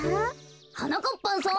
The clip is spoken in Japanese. はなかっぱんさん。